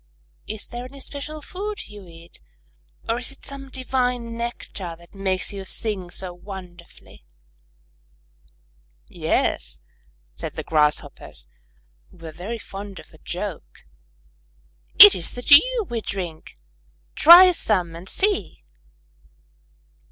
Is there any special food you eat, or is it some divine nectar that makes you sing so wonderfully?" "Yes," said the Grasshoppers, who were very fond of a joke; "it is the dew we drink! Try some and see."